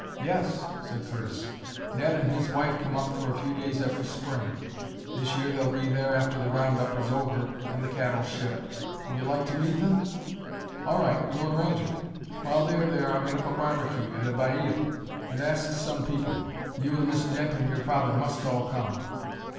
"Yes," said Curtis; "Ned and his wife come up for a few days every Spring. This year they'll be there after the round up is over and the cattle shipped. Would you like to meet them? All right, we'll arrange it. While they are there I'll get up a barbecue and a baile, and ask some people. You and Miss Dent and your father must all come."